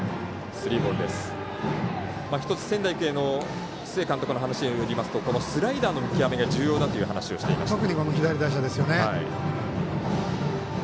１つ仙台育英の須江監督の話ではスライダーの見極めが重要だという話をしていました。